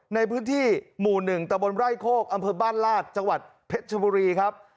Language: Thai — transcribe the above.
ในพื้นที่หมู่๑ตะบนไร่โคกอำเภอบ้านลาดจังหวัดเพชรชบุรีครับ